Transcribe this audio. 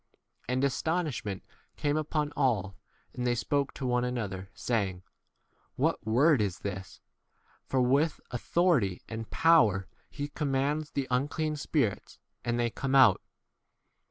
And astonishment came upon all, and they spoke to one another, saying, What word [is] this ? for with authority and power he commands the un clean spirits, and they come out.